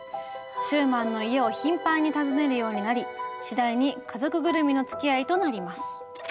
シューマンの家を頻繁に訪ねるようになり次第に家族ぐるみのつきあいとなります。